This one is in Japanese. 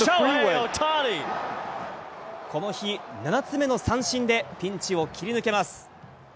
この日、７つ目の三振でピンチを切り抜けます。